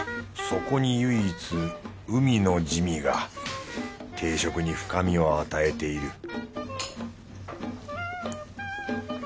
そこに唯一海の滋味が定食に深みを与えている